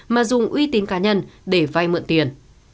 mà dùng uy tín cá nhân để vay mượn tiền